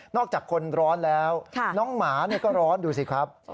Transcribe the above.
อกจากคนร้อนแล้วน้องหมาก็ร้อนดูสิครับ